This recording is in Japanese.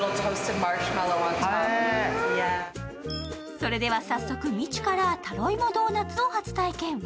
それでは早速みちゅからタロイモドーナツを初体験。